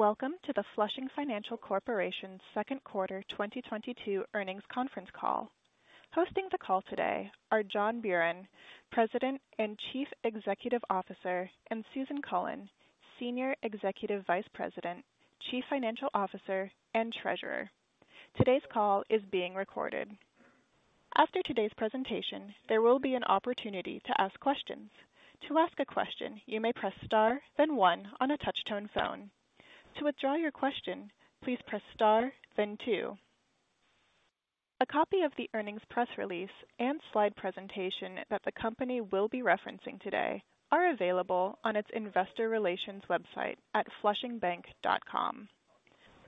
Welcome to the Flushing Financial Corporation's second quarter 2022 earnings conference call. Hosting the call today are John Buran, President and Chief Executive Officer, and Susan Cullen, Senior Executive Vice President, Chief Financial Officer, and Treasurer. Today's call is being recorded. After today's presentation, there will be an opportunity to ask questions. To ask a question, you may press star, then one on a touch-tone phone. To withdraw your question, please press star, then two. A copy of the earnings press release and slide presentation that the company will be referencing today are available on its investor relations website at flushingbank.com.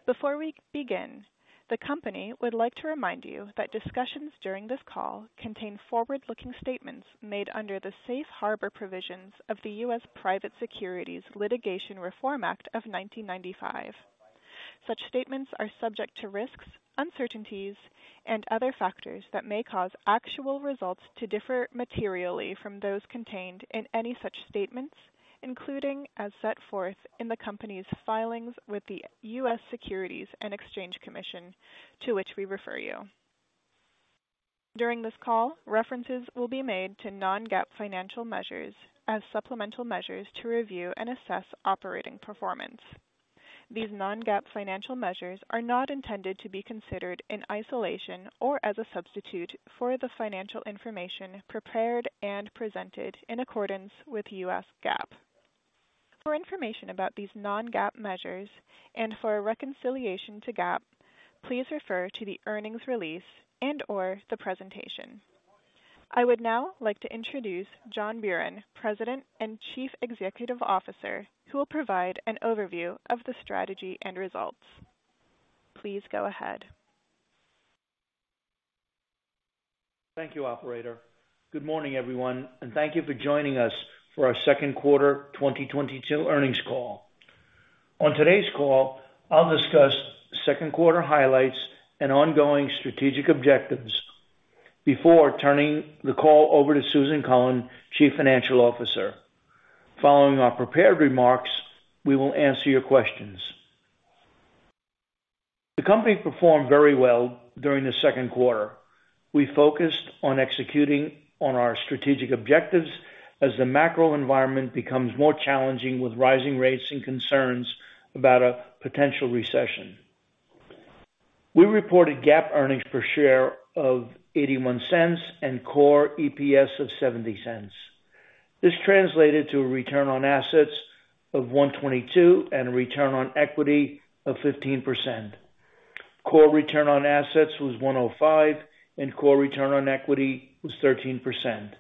Before we begin, the company would like to remind you that discussions during this call contain forward-looking statements made under the safe harbor provisions of the U.S. Private Securities Litigation Reform Act of 1995. Such statements are subject to risks, uncertainties, and other factors that may cause actual results to differ materially from those contained in any such statements, including as set forth in the company's filings with the U.S. Securities and Exchange Commission, to which we refer you. During this call, references will be made to non-GAAP financial measures as supplemental measures to review and assess operating performance. These non-GAAP financial measures are not intended to be considered in isolation or as a substitute for the financial information prepared and presented in accordance with U.S. GAAP. For information about these non-GAAP measures and for a reconciliation to GAAP, please refer to the earnings release and/or the presentation. I would now like to introduce John Buran, President and Chief Executive Officer, who will provide an overview of the strategy and results. Please go ahead. Thank you, operator. Good morning, everyone, and thank you for joining us for our second quarter 2022 earnings call. On today's call, I'll discuss second quarter highlights and ongoing strategic objectives before turning the call over to Susan Cullen, Chief Financial Officer. Following our prepared remarks, we will answer your questions. The company performed very well during the second quarter. We focused on executing on our strategic objectives as the macro environment becomes more challenging with rising rates and concerns about a potential recession. We reported GAAP earnings per share of $0.81 and core EPS of $0.70. This translated to a return on assets of $1.22 and a return on equity of 15%. Core return on assets was $1.05, and core return on equity was 13%.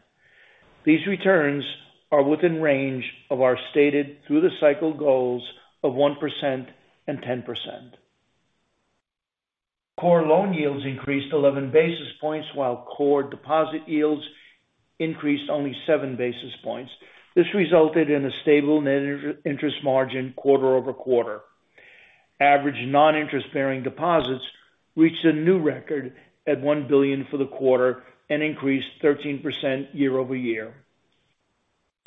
These returns are within range of our stated through-the-cycle goals of 1% and 10%. Core loan yields increased 11 basis points, while core deposit yields increased only 7 basis points. This resulted in a stable net interest margin quarter-over-quarter. Average non-interest-bearing deposits reached a new record at $1 billion for the quarter and increased 13% year-over-year.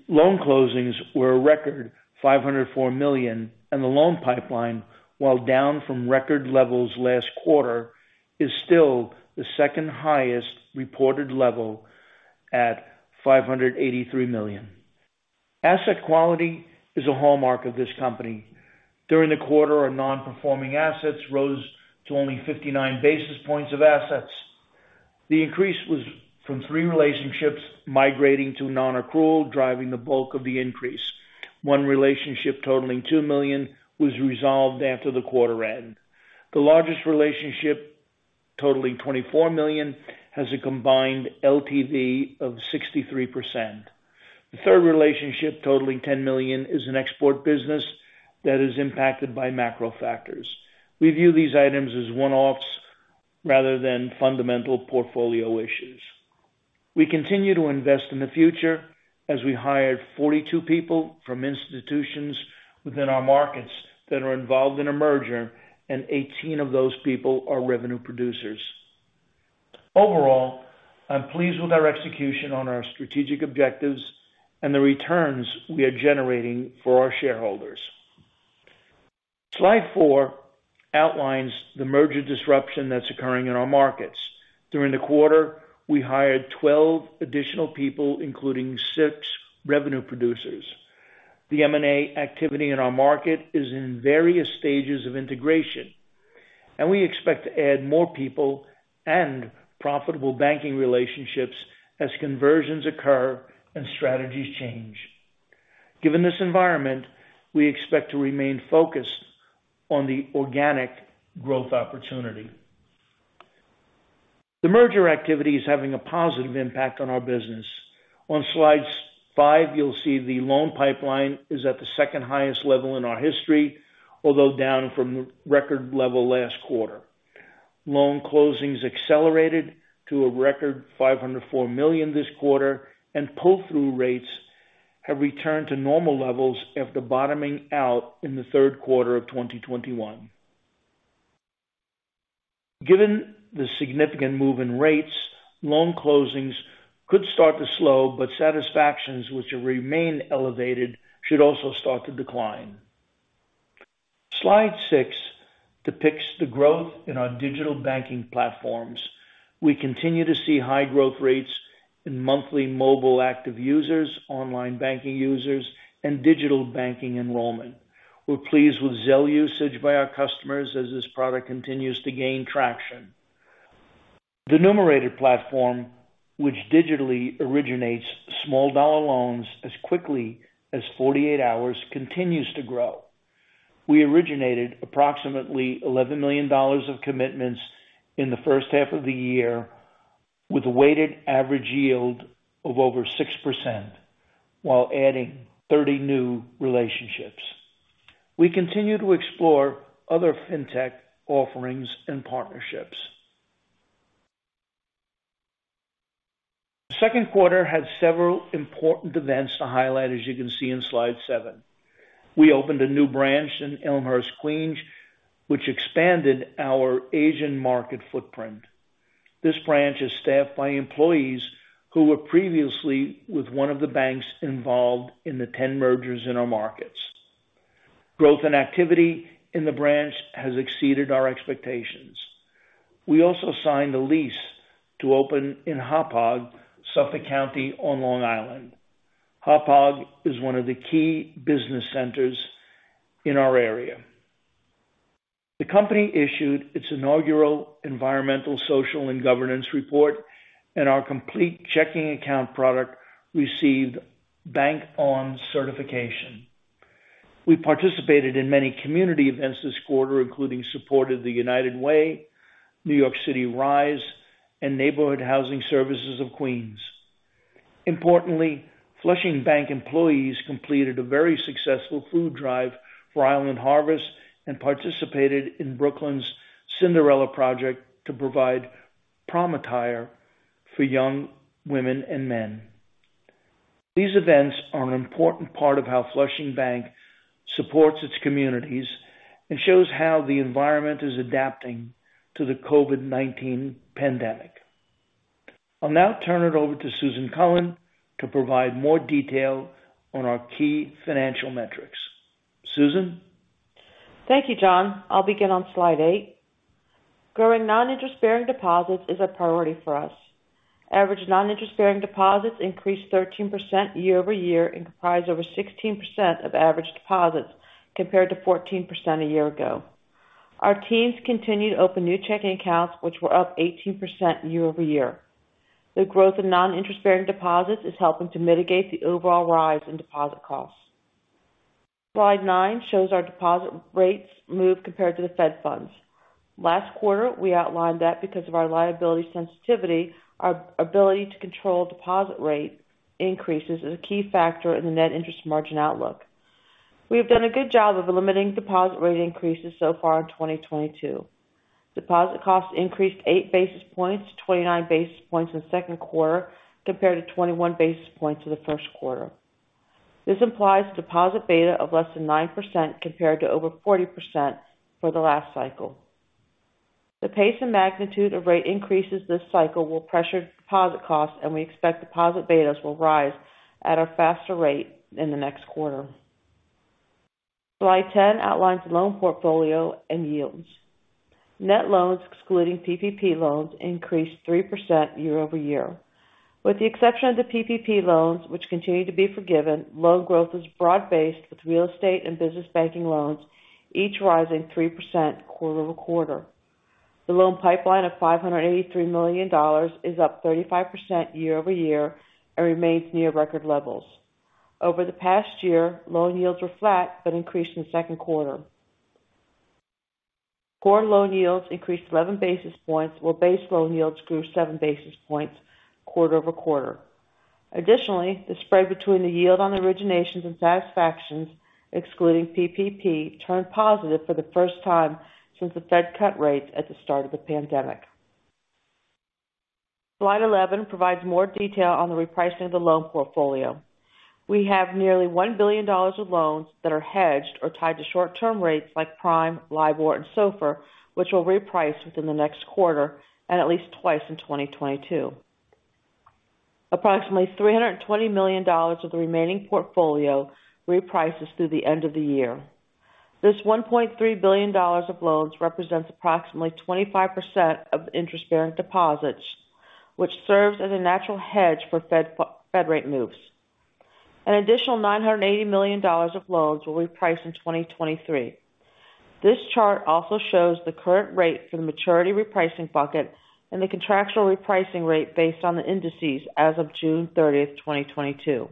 Loan closings were a record $504 million, and the loan pipeline, while down from record levels last quarter, is still the second highest reported level at $583 million. Asset quality is a hallmark of this company. During the quarter, our non-performing assets rose to only 59 basis points of assets. The increase was from three relationships migrating to non-accrual, driving the bulk of the increase. One relationship totaling $2 million was resolved after the quarter end. The largest relationship, totaling $24 million, has a combined LTV of 63%. The third relationship, totaling $10 million, is an export business that is impacted by macro factors. We view these items as one-offs rather than fundamental portfolio issues. We continue to invest in the future as we hired 42 people from institutions within our markets that are involved in a merger, and 18 of those people are revenue producers. Overall, I'm pleased with our execution on our strategic objectives and the returns we are generating for our shareholders. Slide four outlines the merger disruption that's occurring in our markets. During the quarter, we hired 12 additional people, including six revenue producers. The M&A activity in our market is in various stages of integration, and we expect to add more people and profitable banking relationships as conversions occur and strategies change. Given this environment, we expect to remain focused on the organic growth opportunity. The merger activity is having a positive impact on our business. On slide five, you'll see the loan pipeline is at the second highest level in our history, although down from the record level last quarter. Loan closings accelerated to a record $504 million this quarter, and pull-through rates have returned to normal levels after bottoming out in the third quarter of 2021. Given the significant move in rates, loan closings could start to slow, but satisfactions which remain elevated should also start to decline. Slide six depicts the growth in our digital banking platforms. We continue to see high growth rates in monthly mobile active users, online banking users and digital banking enrollment. We're pleased with Zelle usage by our customers as this product continues to gain traction. The Numerated platform, which digitally originates small dollar loans as quickly as 48 hours, continues to grow. We originated approximately $11 million of commitments in the first half of the year with a weighted average yield of over 6% while adding 30 new relationships. We continue to explore other fintech offerings and partnerships. Second quarter had several important events to highlight, as you can see in slide seven. We opened a new branch in Elmhurst, Queens, which expanded our Asian market footprint. This branch is staffed by employees who were previously with one of the banks involved in the 10 mergers in our markets. Growth and activity in the branch has exceeded our expectations. We also signed a lease to open in Hauppauge, Suffolk County, on Long Island. Hauppauge is one of the key business centers in our area. The company issued its inaugural Environmental, Social and Governance report, and our complete checking account product received Bank On Certification. We participated in many community events this quarter, including support of the United Way, NYC Kids RISE, and Neighborhood Housing Services of Queens. Importantly, Flushing Bank employees completed a very successful food drive for Island Harvest and participated in Brooklyn's Cinderella Project to provide prom attire for young women and men. These events are an important part of how Flushing Bank supports its communities and shows how the environment is adapting to the COVID-19 pandemic. I'll now turn it over to Susan Cullen to provide more detail on our key financial metrics. Susan? Thank you, John. I'll begin on slide eight. Growing non-interest bearing deposits is a priority for us. Average non-interest bearing deposits increased 13% year-over-year and comprise over 16% of average deposits, compared to 14% a year ago. Our teams continue to open new checking accounts, which were up 18% year-over-year. The growth of non-interest bearing deposits is helping to mitigate the overall rise in deposit costs. Slide nine shows our deposit rates move compared to the Fed funds. Last quarter, we outlined that because of our liability sensitivity, our ability to control deposit rate increases is a key factor in the net interest margin outlook. We have done a good job of limiting deposit rate increases so far in 2022. Deposit costs increased 8 basis points to 29 basis points in the second quarter compared to 21 basis points in the first quarter. This implies deposit beta of less than 9% compared to over 40% for the last cycle. The pace and magnitude of rate increases this cycle will pressure deposit costs and we expect deposit betas will rise at a faster rate in the next quarter. Slide 10 outlines the loan portfolio and yields. Net loans excluding PPP loans increased 3% year-over-year. With the exception of the PPP loans which continue to be forgiven, loan growth is broad-based, with real estate and business banking loans each rising 3% quarter-over-quarter. The loan pipeline of $583 million is up 35% year-over-year and remains near record levels. Over the past year, loan yields were flat but increased in the second quarter. Core loan yields increased 11 basis points, while base loan yields grew 7 basis points quarter-over-quarter. Additionally, the spread between the yield on originations and satisfactions excluding PPP turned positive for the first time since the Fed cut rates at the start of the pandemic. Slide 11 provides more detail on the repricing of the loan portfolio. We have nearly $1 billion of loans that are hedged or tied to short term rates like Prime, LIBOR, and SOFR, which will reprice within the next quarter and at least twice in 2022. Approximately $320 million of the remaining portfolio reprices through the end of the year. This $1.3 billion of loans represents approximately 25% of interest bearing deposits, which serves as a natural hedge for Fed rate moves. An additional $980 million of loans will reprice in 2023. This chart also shows the current rate for the maturity repricing bucket and the contractual repricing rate based on the indices as of June 30, 2022.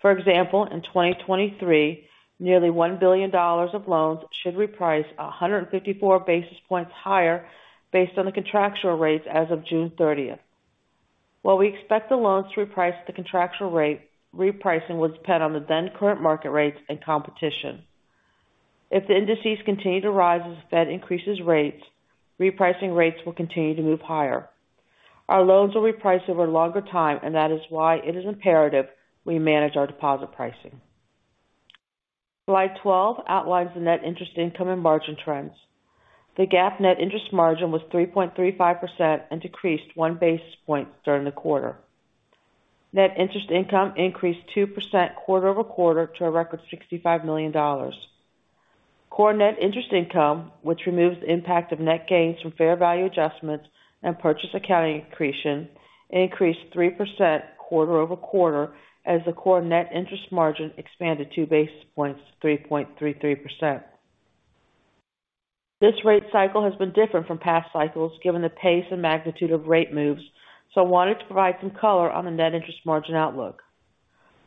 For example, in 2023, nearly $1 billion of loans should reprice 154 basis points higher based on the contractual rates as of June 30. While we expect the loans to reprice the contractual rate, repricing will depend on the then current market rates and competition. If the indices continue to rise as the Fed increases rates, repricing rates will continue to move higher. Our loans will reprice over a longer time, and that is why it is imperative we manage our deposit pricing. Slide 12 outlines the net interest income and margin trends. The GAAP net interest margin was 3.35% and decreased 1 basis point during the quarter. Net interest income increased 2% quarter-over-quarter to a record $65 million. Core net interest income, which removes the impact of net gains from fair value adjustments and purchase accounting accretion, increased 3% quarter-over-quarter as the core net interest margin expanded 2 basis points, 3.33%. This rate cycle has been different from past cycles given the pace and magnitude of rate moves, so I wanted to provide some color on the net interest margin outlook.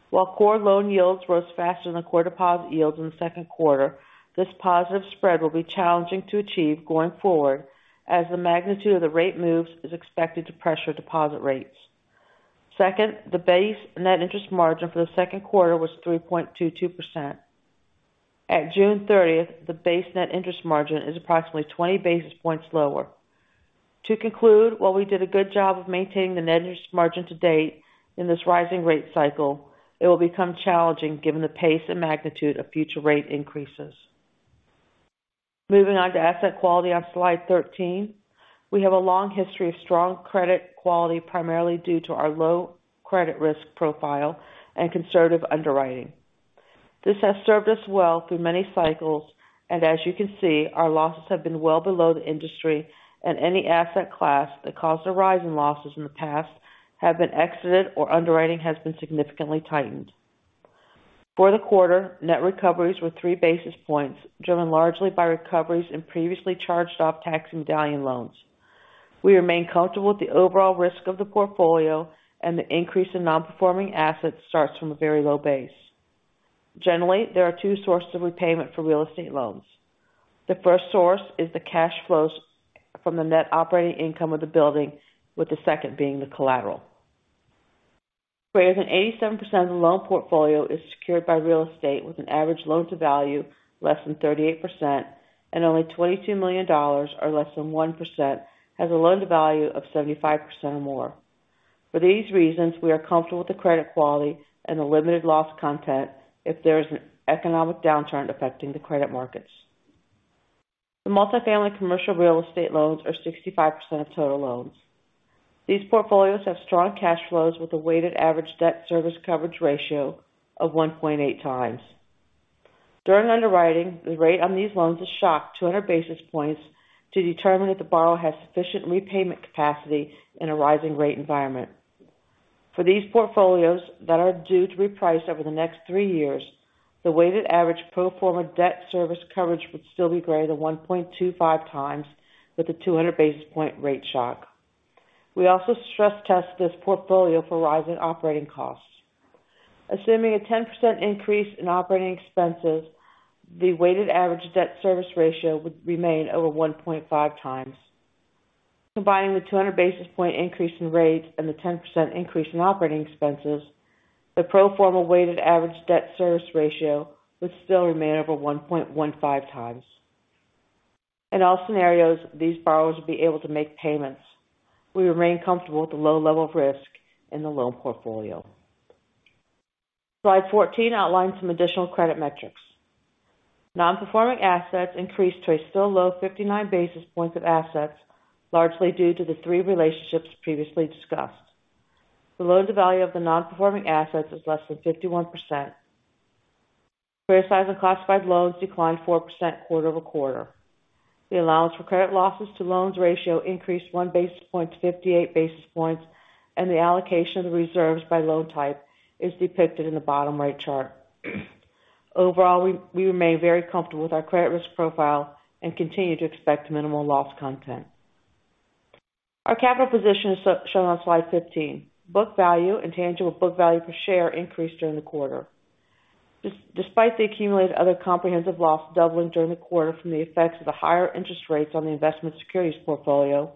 While core loan yields rose faster than core deposit yields in the second quarter, this positive spread will be challenging to achieve going forward as the magnitude of the rate moves is expected to pressure deposit rates. Second, the base net interest margin for the second quarter was 3.22%. At June thirtieth, the base net interest margin is approximately 20 basis points lower. To conclude, while we did a good job of maintaining the net interest margin to date in this rising rate cycle, it will become challenging given the pace and magnitude of future rate increases. Moving on to asset quality on slide 13. We have a long history of strong credit quality, primarily due to our low credit risk profile and conservative underwriting. This has served us well through many cycles, and as you can see, our losses have been well below the industry and any asset class that caused a rise in losses in the past have been exited or underwriting has been significantly tightened. For the quarter, net recoveries were 3 basis points, driven largely by recoveries in previously charged off taxi medallion loans. We remain comfortable with the overall risk of the portfolio and the increase in non-performing assets starts from a very low base. Generally, there are two sources of repayment for real estate loans. The first source is the cash flows from the net operating income of the building, with the second being the collateral. Greater than 87% of the loan portfolio is secured by real estate with an average loan to value less than 38% and only $22 million, or less than 1%, has a loan to value of 75% or more. For these reasons, we are comfortable with the credit quality and the limited loss content if there is an economic downturn affecting the credit markets. The multifamily commercial real estate loans are 65% of total loans. These portfolios have strong cash flows with a weighted average debt service coverage ratio of 1.8x. During underwriting, the rate on these loans is shocked 200 basis points to determine that the borrower has sufficient repayment capacity in a rising rate environment. For these portfolios that are due to reprice over the next three years, the weighted average pro forma debt service coverage would still be greater than 1.25x with a 200 basis point rate shock. We also stress test this portfolio for rising operating costs. Assuming a 10% increase in operating expenses, the weighted average debt service ratio would remain over 1.5x. Combining the 200 basis point increase in rates and the 10% increase in operating expenses, the pro forma weighted average debt service ratio would still remain over 1.15x. In all scenarios, these borrowers will be able to make payments. We remain comfortable with the low level of risk in the loan portfolio. Slide 14 outlines some additional credit metrics. Non-performing assets increased to a still low 59 basis points of assets, largely due to the three relationships previously discussed. The loan to value of the non-performing assets is less than 51%. Fair value and classified loans declined 4% quarter-over-quarter. The allowance for credit losses to loans ratio increased one basis point to 58 basis points, and the allocation of the reserves by loan type is depicted in the bottom right chart. Overall, we remain very comfortable with our credit risk profile and continue to expect minimal loss content. Our capital position is shown on slide 15. Book value and tangible book value per share increased during the quarter. Despite the accumulated other comprehensive loss doubling during the quarter from the effects of the higher interest rates on the investment securities portfolio,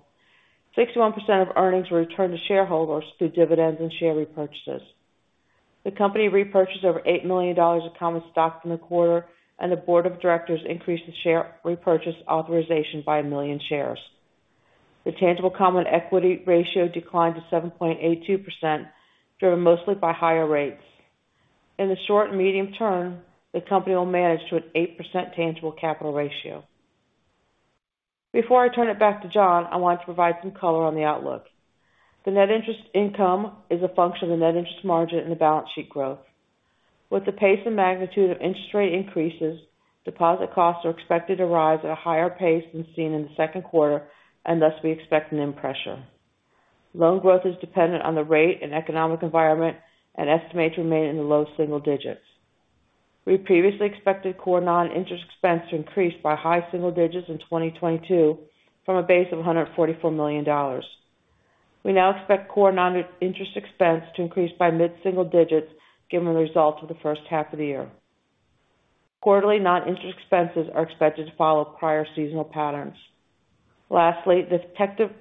61% of earnings were returned to shareholders through dividends and share repurchases. The company repurchased over $8 million of common stock in the quarter, and the board of directors increased the share repurchase authorization by 1 million shares. The tangible common equity ratio declined to 7.82%, driven mostly by higher rates. In the short and medium term, the company will manage to an 8% tangible capital ratio. Before I turn it back to John, I wanted to provide some color on the outlook. The net interest income is a function of the net interest margin and the balance sheet growth. With the pace and magnitude of interest rate increases, deposit costs are expected to rise at a higher pace than seen in the second quarter and thus we expect NIM pressure. Loan growth is dependent on the rate and economic environment and estimates remain in the low single digits. We previously expected core non-interest expense to increase by high single digits in 2022 from a base of $144 million. We now expect core non-interest expense to increase by mid-single digits given the results of the first half of the year. Quarterly non-interest expenses are expected to follow prior seasonal patterns. Lastly, the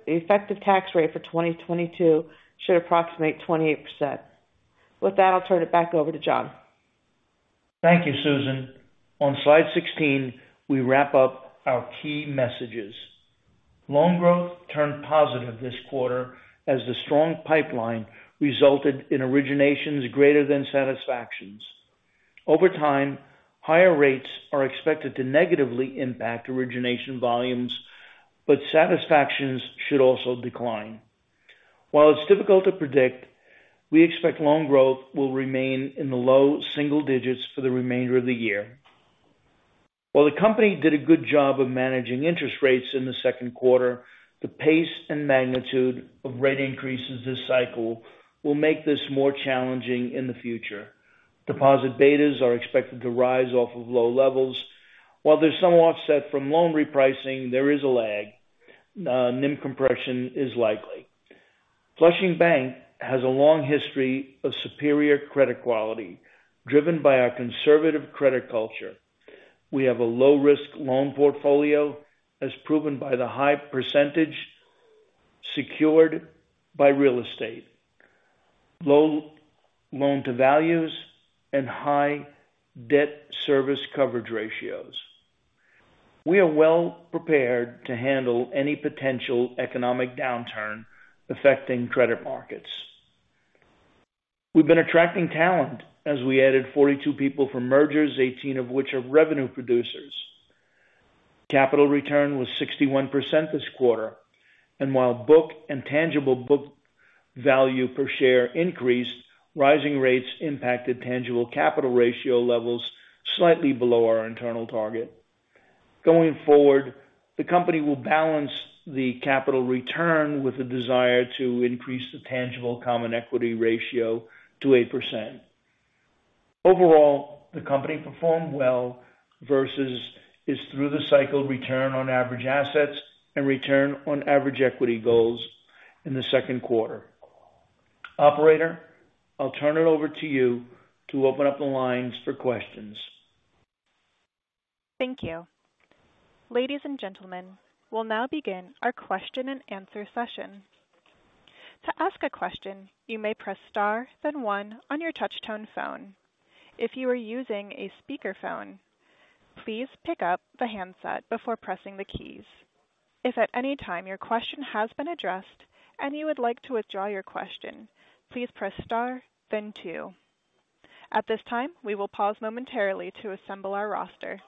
effective tax rate for 2022 should approximate 28%. With that, I'll turn it back over to John. Thank you, Susan. On slide 16, we wrap up our key messages. Loan growth turned positive this quarter as the strong pipeline resulted in originations greater than satisfactions. Over time, higher rates are expected to negatively impact origination volumes, but satisfactions should also decline. While it's difficult to predict, we expect loan growth will remain in the low single digits for the remainder of the year. While the company did a good job of managing interest rates in the second quarter, the pace and magnitude of rate increases this cycle will make this more challenging in the future. Deposit betas are expected to rise off of low levels. While there's some offset from loan repricing, there is a lag. NIM compression is likely. Flushing Bank has a long history of superior credit quality, driven by our conservative credit culture. We have a low risk loan portfolio, as proven by the high percentage secured by real estate, low loan-to-value ratios, and high debt service coverage ratios. We are well prepared to handle any potential economic downturn affecting credit markets. We've been attracting talent as we added 42 people from mergers, 18 of which are revenue producers. Capital return was 61% this quarter. While book and tangible book value per share increased, rising rates impacted tangible capital ratio levels slightly below our internal target. Going forward, the company will balance the capital return with a desire to increase the tangible common equity ratio to 8%. Overall, the company performed well versus its through the cycle return on average assets and return on average equity goals in the second quarter. Operator, I'll turn it over to you to open up the lines for questions. Thank you. Ladies and gentlemen, we'll now begin our question-and-answer session. To ask a question, you may press star, then one on your touch-tone phone. If you are using a speakerphone, please pick up the handset before pressing the keys. If at any time your question has been addressed and you would like to withdraw your question, please press star then two. At this time, we will pause momentarily to assemble our roster.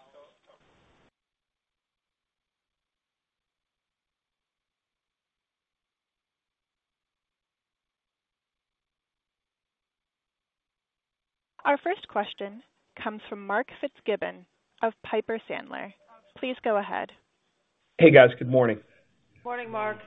Our first question comes from Mark Fitzgibbon of Piper Sandler. Please go ahead. Hey, guys. Good morning. Morning, Mark.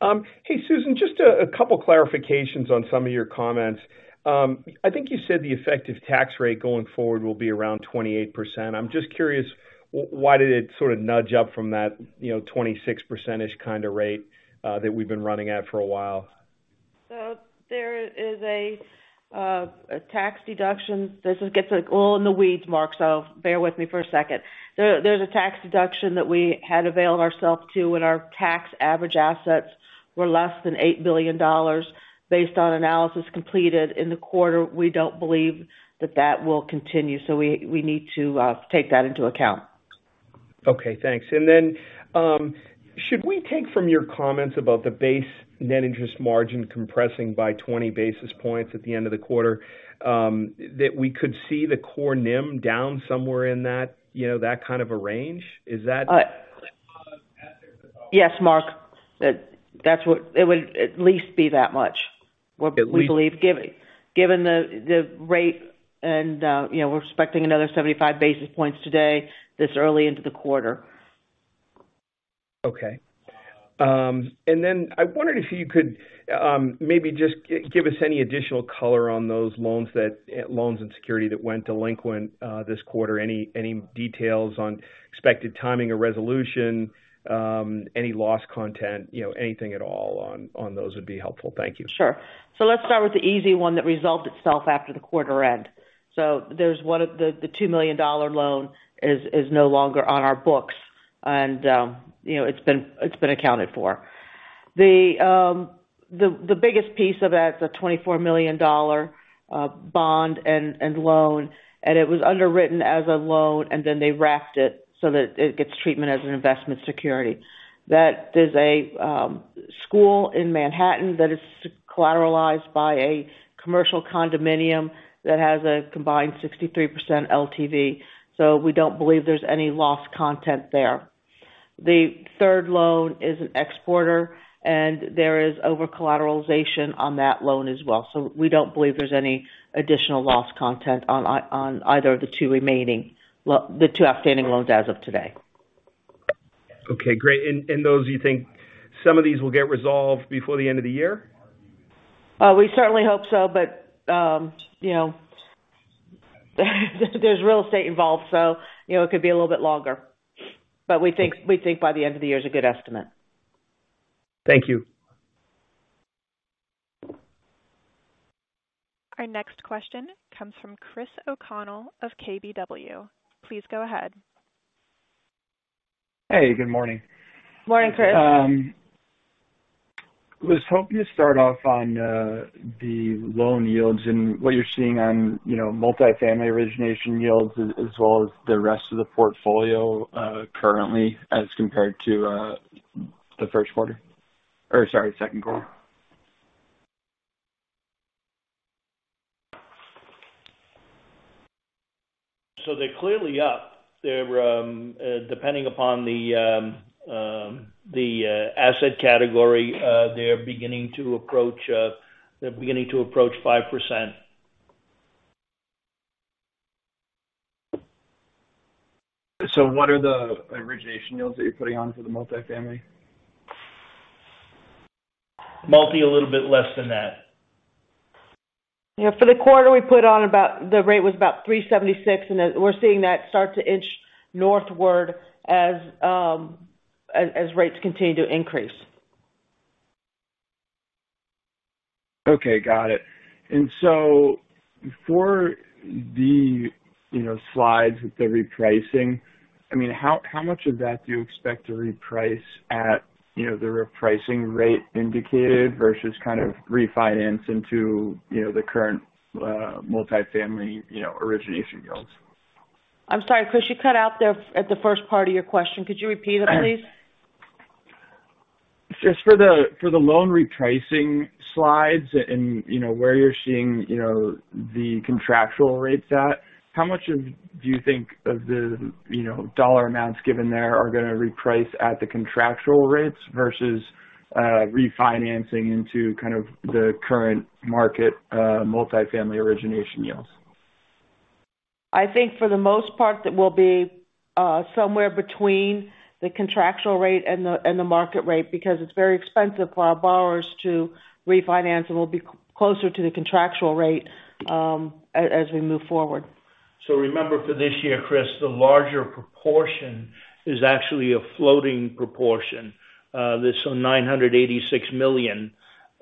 Hey, Susan, just a couple clarifications on some of your comments. I think you said the effective tax rate going forward will be around 28%. I'm just curious, why did it sort of nudge up from that, you know, 26% kind of rate that we've been running at for a while? There is a tax deduction. This one gets, like, all into the weeds, Mark, so bear with me for a second. There's a tax deduction that we had availed ourselves to when our taxable average assets were less than $8 billion. Based on analysis completed in the quarter, we don't believe that will continue. We need to take that into account. Okay. Thanks. Should we take from your comments about the base net interest margin compressing by 20 basis points at the end of the quarter, that we could see the core NIM down somewhere in that, you know, that kind of a range? Is that- Yes, Mark. That's what it would at least be that much. We believe given the rate and, you know, we're expecting another 75 basis points today this early into the quarter. I wondered if you could maybe just give us any additional color on those loans and securities that went delinquent this quarter. Any details on expected timing of resolution, any loss content, you know, anything at all on those would be helpful. Thank you. Sure. Let's start with the easy one that resolved itself after the quarter end. There's one of the $2 million loan is no longer on our books. It's been accounted for. The biggest piece of that, the $24 million bond and loan, and it was underwritten as a loan, and then they wrapped it so that it gets treatment as an investment security. That is a school in Manhattan that is collateralized by a commercial condominium that has a combined 63% LTV. We don't believe there's any loss content there. The third loan is an exporter, and there is over-collateralization on that loan as well. We don't believe there's any additional loss content on either of the two outstanding loans as of today. Okay, great. Those, you think some of these will get resolved before the end of the year? We certainly hope so. You know, there's real estate involved, so, you know, it could be a little bit longer. We think by the end of the year is a good estimate. Thank you. Our next question comes from Chris O'Connell of KBW. Please go ahead. Hey, good morning. Morning, Chris. I was hoping to start off on the loan yields and what you're seeing on, you know, multifamily origination yields as well as the rest of the portfolio currently as compared to the first quarter. Or sorry, second quarter. They're clearly up. They're, depending upon the asset category, they're beginning to approach 5%. What are the origination yields that you're putting on for the multifamily? Multi, a little bit less than that. Yeah. For the quarter the rate was about 3.76%, and then we're seeing that start to inch northward as rates continue to increase. Okay. Got it. For the, you know, slides with the repricing, I mean, how much of that do you expect to reprice at, you know, the repricing rate indicated versus kind of refinance into, you know, the current, multifamily, you know, origination yields? I'm sorry, Chris. You cut out there at the first part of your question. Could you repeat it please? Just for the loan repricing slides and, you know, where you're seeing, you know, the contractual rates at, how much do you think of the, you know, dollar amounts given they're gonna reprice at the contractual rates versus refinancing into kind of the current market multifamily origination yields? I think for the most part it will be somewhere between the contractual rate and the market rate because it's very expensive for our borrowers to refinance. It will be closer to the contractual rate as we move forward. Remember for this year, Chris, the larger proportion is actually a floating proportion. This, so $986 million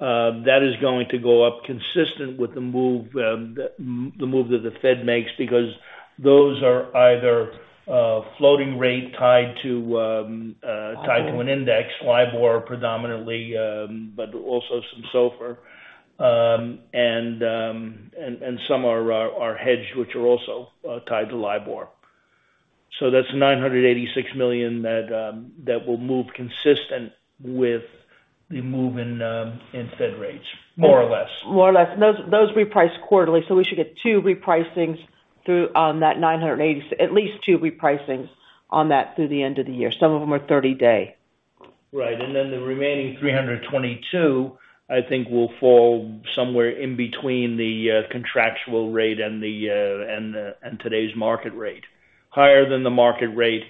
that is going to go up consistent with the move, the move that the Fed makes because those are either a floating rate tied to a tied to an index LIBOR predominantly, but also some SOFR. And some are hedged, which are also tied to LIBOR. That's $986 million that will move consistent with the move in Fed rates more or less. More or less. Those reprice quarterly. We should get two repricings through on that 980. At least two repricings on that through the end of the year. Some of them are 30-day. Right. The remaining 322, I think, will fall somewhere in between the contractual rate and today's market rate. Higher than the market rate,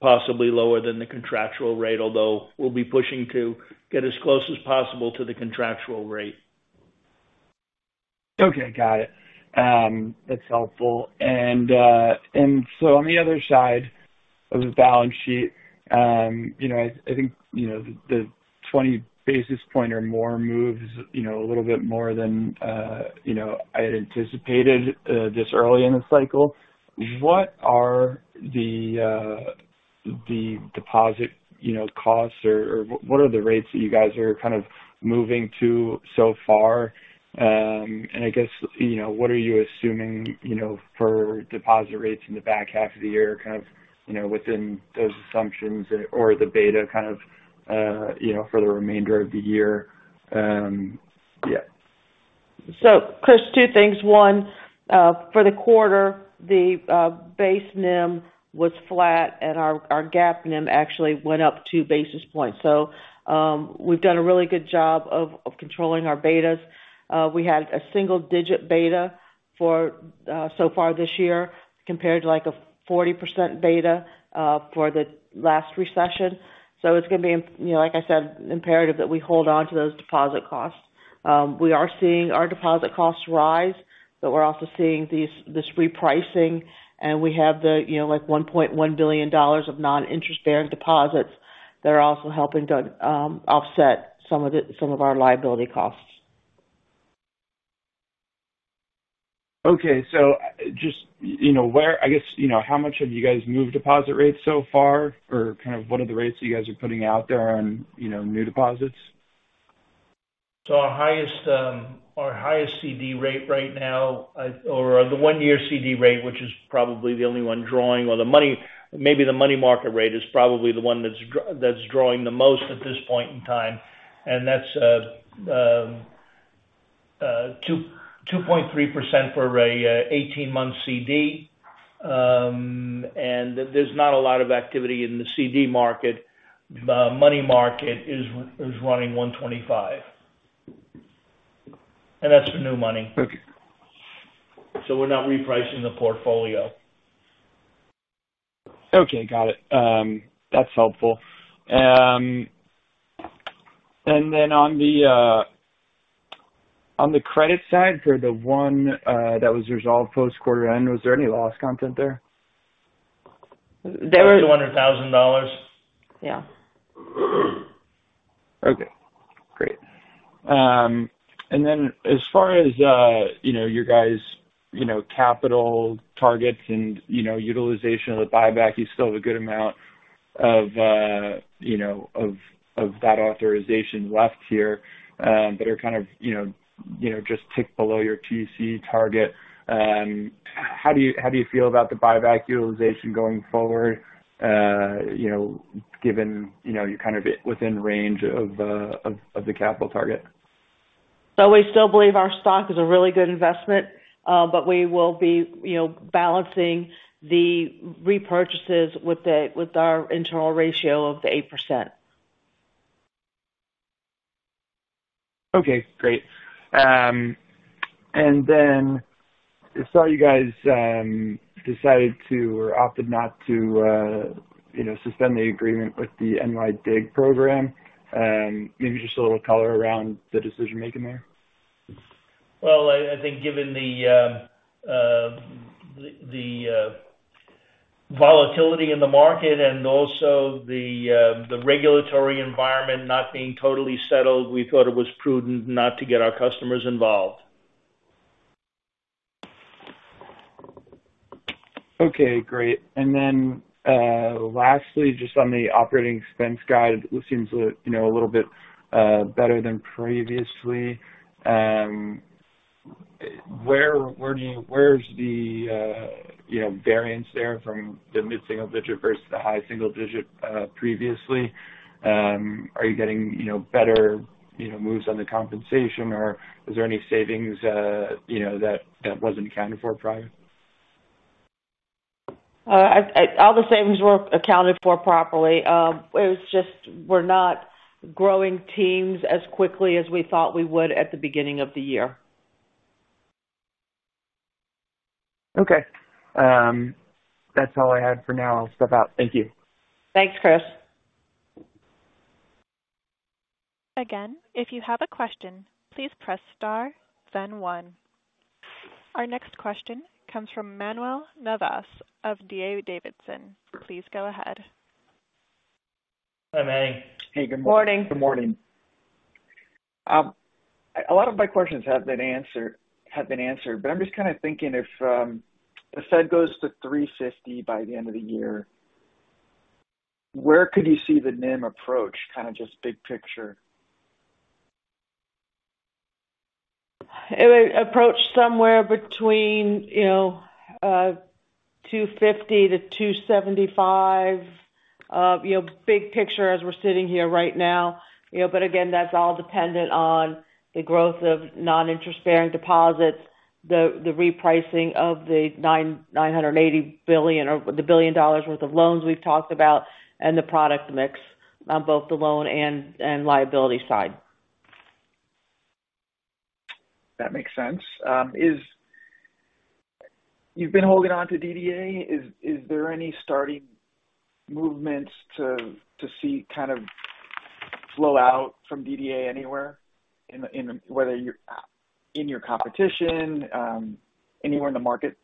possibly lower than the contractual rate, although we'll be pushing to get as close as possible to the contractual rate. Okay, got it. That's helpful. On the other side of the balance sheet, you know, I think, you know, the 20 basis points or more moves, you know, a little bit more than, you know, I had anticipated, this early in the cycle. What are the deposit, you know, costs or what are the rates that you guys are kind of moving to so far? I guess, you know, what are you assuming, you know, for deposit rates in the back half of the year kind of, you know, within those assumptions or the beta kind of, you know, for the remainder of the year? Yeah. Chris, two things. One, for the quarter, the base NIM was flat and our GAAP NIM actually went up two basis points. We've done a really good job of controlling our betas. We had a single digit beta so far this year compared to like a 40% beta for the last recession. It's gonna be, you know, like I said, imperative that we hold onto those deposit costs. We are seeing our deposit costs rise, but we're also seeing this repricing, and we have, you know, like $1.1 billion of non-interest bearing deposits that are also helping to offset some of our liability costs. Okay. Just, you know, I guess, you know, how much have you guys moved deposit rates so far or kind of what are the rates you guys are putting out there on, you know, new deposits? Our highest CD rate right now, or the one-year CD rate, which is probably the only one drawing in the money, maybe the money market rate is probably the one that's drawing the most at this point in time. That's 2.3% for a 18-month CD. There's not a lot of activity in the CD market. The money market is running 1.25%. That's for new money. Okay. We're not repricing the portfolio. Okay, got it. That's helpful. On the credit side for the one that was resolved post quarter end, was there any loss content there? There was- $200,000. Yeah. Okay, great. As far as, you know, your guys, you know, capital targets and, you know, utilization of the buyback, you still have a good amount of, you know, of that authorization left here, that are kind of, you know, just tick below your TC target. How do you feel about the buyback utilization going forward? You know, given, you know, you're kind of within range of the capital target. We still believe our stock is a really good investment, but we will be, you know, balancing the repurchases with our internal ratio of the 8%. Okay, great. I saw you guys decided to or opted not to, you know, suspend the agreement with the NYDIG program. Maybe just a little color around the decision-making there. Well, I think given the volatility in the market and also the regulatory environment not being totally settled, we thought it was prudent not to get our customers involved. Okay, great. Lastly, just on the operating expense guide, it seems you know a little bit better than previously. Where is the you know variance there from the mid-single digit versus the high single digit previously? Are you getting you know better you know moves on the compensation or is there any savings you know that wasn't accounted for prior? All the savings were accounted for properly. It was just we're not growing teams as quickly as we thought we would at the beginning of the year. Okay. That's all I had for now. I'll step out. Thank you. Thanks, Chris. Again, if you have a question, please press star then one. Our next question comes from Manuel Navas of D.A. Davidson. Please go ahead. Hi, Manuel. Hey, good morning. Morning. Good morning. A lot of my questions have been answered, but I'm just kind of thinking if the Fed goes to 3.50 by the end of the year, where could you see the NIM approach? Kind of just big picture. It would approach somewhere between, you know, 2.50%-2.75%. You know, big picture as we're sitting here right now. You know, again, that's all dependent on the growth of non-interest-bearing deposits, the repricing of the $980 million or the $1 billion worth of loans we've talked about, and the product mix on both the loan and liability side. That makes sense. You've been holding on to DDA. Is there any starting movements to see kind of flow out from DDA anywhere, whether you're in your competition, anywhere in the market?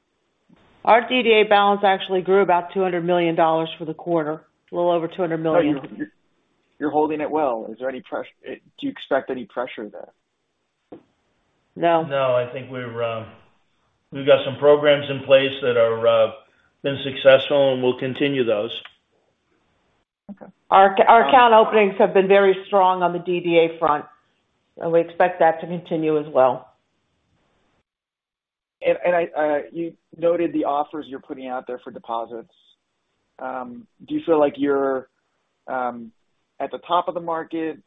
Our DDA balance actually grew about $200 million for the quarter. A little over $200 million. You're holding it well. Do you expect any pressure there? No. No, I think we've got some programs in place that have been successful and we'll continue those. Okay. Our account openings have been very strong on the DDA front, and we expect that to continue as well. You noted the offers you're putting out there for deposits. Do you feel like you're at the top of the market?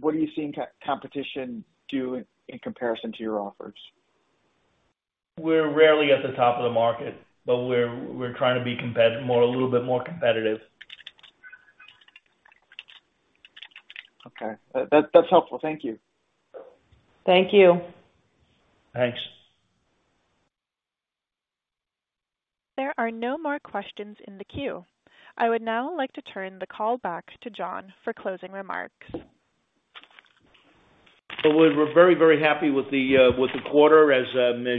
What are you seeing competitors do in comparison to your offers? We're rarely at the top of the market, but we're trying to be competitive, more, a little bit more competitive. Okay. That's helpful. Thank you. Thank you. Thanks. There are no more questions in the queue. I would now like to turn the call back to John for closing remarks. We're very happy with the quarter as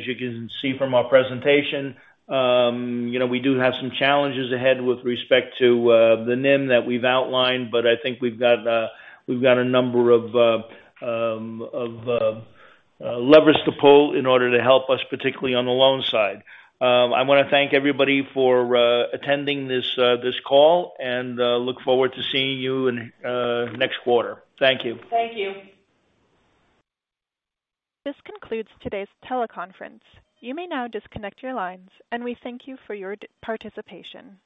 you can see from our presentation. You know, we do have some challenges ahead with respect to the NIM that we've outlined, but I think we've got a number of levers to pull in order to help us, particularly on the loan side. I wanna thank everybody for attending this call and look forward to seeing you in next quarter. Thank you. Thank you. This concludes today's teleconference. You may now disconnect your lines, and we thank you for your participation.